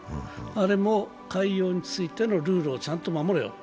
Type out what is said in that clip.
あれも海洋についてのルールをちゃんと守れよ。